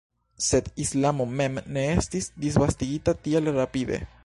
Sed islamo mem ne estis disvastigita tiel rapide.